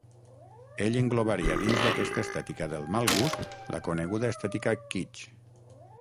Ell englobaria dins d'aquesta estètica del mal gust la coneguda estètica kitsch.